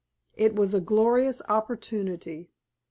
It was a glorious opportunity.